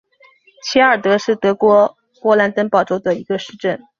席尔达是德国勃兰登堡州的一个市镇。